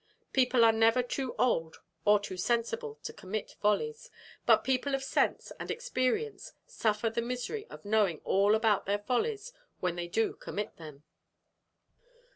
People are never too old or too sensible to commit follies, but people of sense and experience suffer the misery of knowing all about their follies when they do commit them.